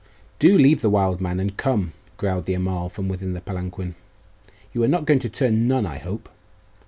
'Do leave the wild man, and come,' growled the Amal from within the palanquin. 'You are not going to turn nun, I hope?